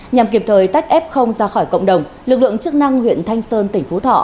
nhằm kịp thời tách f ra khỏi cộng đồng lực lượng chức năng huyện thanh sơn tỉnh phú thọ